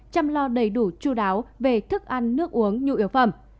chăm lo đầy đủ chú đáo về thức ăn nước uống nhu yếu phẩm